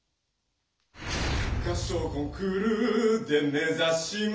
「合唱コンクールで目ざします」